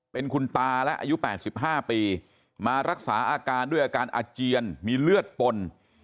เป็นคุณตาและอายุ๘๕ปีมารักษาอาการด้วยอาการอาเจียนมีเลือดปน